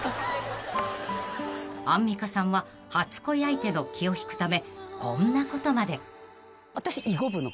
［アンミカさんは初恋相手の気を引くためこんなことまで］